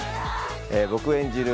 僕が演じる